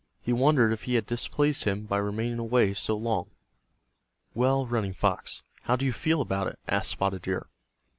He wondered if he had displeased him by remaining away so long. "Well, Running Fox, how do you feel about it?" asked Spotted Deer.